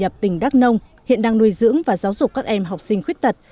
ngoài nhập tỉnh đắk nông hiện đang nuôi dưỡng và giáo dục các em học sinh khuyết tật